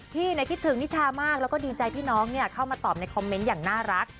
คิดถึงนิชามากแล้วก็ดีใจที่น้องเข้ามาตอบในคอมเมนต์อย่างน่ารัก